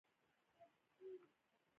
د ملاکا سیمه یې اشغال کړه.